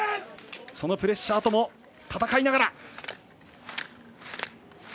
プレッシャーとも戦いながら。